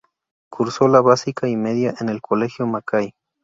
Cursó la básica y media en el Colegio Mackay.